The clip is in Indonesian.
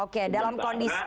oke dalam kondisi